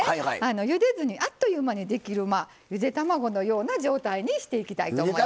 ゆでずにあっという間にできるゆで卵のような状態にしていきたいと思います。